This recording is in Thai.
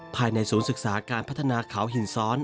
ภายในศูนย์ศึกษาการพัฒนาเขาหินซ้อน